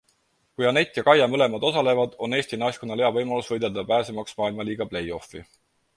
Kui Anett ja Kaia mõlemad osalevad, on Eesti naiskonnal hea võimalus võidelda pääsemaks Maailmaliiga play off'i.